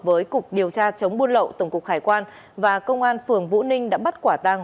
với cục điều tra chống buôn lậu tổng cục hải quan và công an phường vũ ninh đã bắt quả tăng